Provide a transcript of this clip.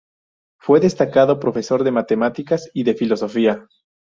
Fue destacado profesor de matemática y de filosofía.